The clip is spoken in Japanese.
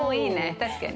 確かに。